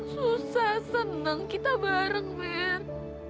susah senang kita bareng mer